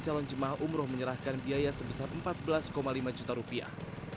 calon jemaah umroh menyerahkan biaya sebesar empat belas lima juta rupiah